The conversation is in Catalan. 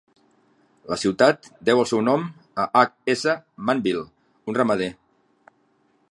La ciutat deu el seu nom a H. S. Manville, un ramader.